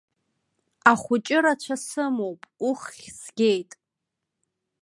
Ахәыҷы рацәа сымоуп, уххь згеит.